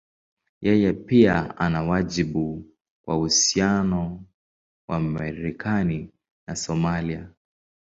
Yeye pia ana wajibu kwa uhusiano wa Marekani na Somalia.